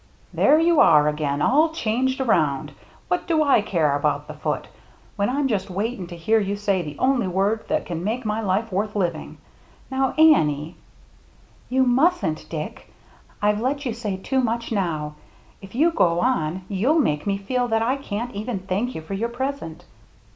" There you are again, all changed around ! What do I care about the Foote — when I'm just waiting to hear you say the only word that can make my life worth living. Now, Annie —"" You mustn't, Dick. I've let you say too much now. If you go on, you'll make me feel that I can't even thank you for your present."